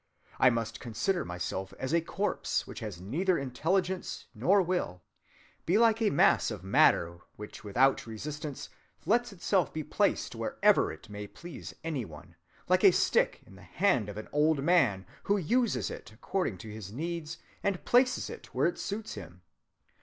I must consider myself as a corpse which has neither intelligence nor will; be like a mass of matter which without resistance lets itself be placed wherever it may please any one; like a stick in the hand of an old man, who uses it according to his needs and places it where it suits him.